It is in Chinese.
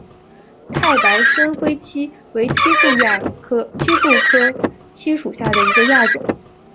太白深灰槭为槭树科槭属下的一个亚种。